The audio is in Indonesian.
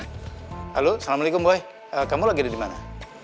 halo assalamualaikum boy kamu lagi ada dimana